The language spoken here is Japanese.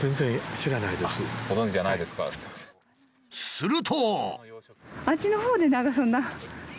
すると。